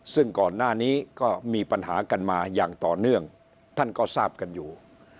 ซึ่งก่อนหน้านี้ก็มีปัญหากันมาอย่างต่อเนื่องท่านก็ทราบกันอยู่